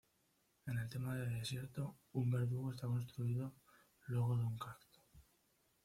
En el tema de desierto, un verdugo está construido luego de un cacto.